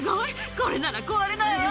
これなら壊れないわ。